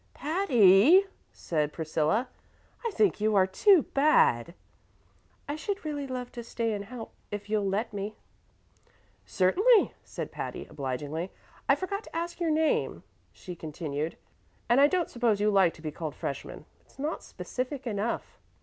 "Patty!" said Priscilla, "I think you are too bad." "I should really love to stay and help, if you'll let me." "Certainly," said Patty, obligingly. "I forgot to ask your name," she continued, "and I don't suppose you like to be called 'Freshman'; it's not specific enough."